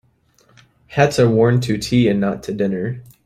Hats are worn to tea and not to dinner.